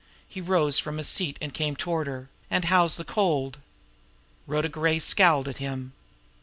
He rose from his seat to come toward her. "And how's the cold?" Rhoda Gray scowled at him.